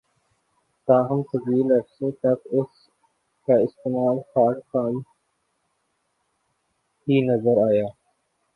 تاہم ، طویل عرصے تک اس کا استعمال خال خال ہی نظر آیا